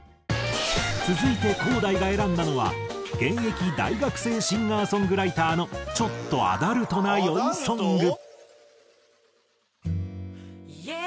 続いてＫＯＨＤが選んだのは現役大学生シンガーソングライターのちょっとアダルトな酔いソング。